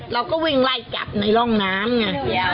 เราก็วิ่งไล่จับในร่องน้ำไง